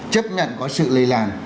chấp nhận có sự lây lan